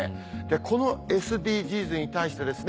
このＳＤＧｓに対してですね